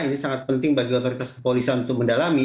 ini sangat penting bagi otoritas kepolisian untuk mendalami